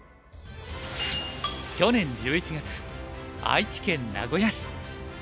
去年１１月愛知県名古屋市。